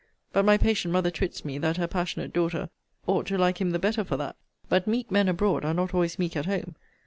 But my patient mother twits me, that her passionate daughter ought to like him the better for that. But meek men abroad are not always meek at home.